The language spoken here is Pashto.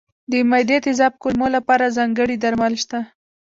د معدې تېزاب کمولو لپاره ځانګړي درمل شته.